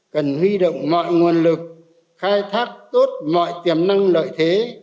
cần huy động mọi nguồn lực khai thác tốt mọi tiềm năng lợi thế